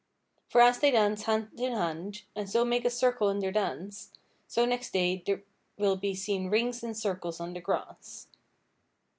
For as they dance hand in hand, and so make a circle in their dance, so next day there will be seen rings and circles on the grass.